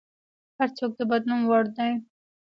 هر څوک د بدلون وړ دی.